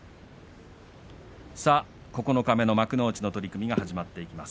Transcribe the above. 九日目の幕内の取組が始まっていきます。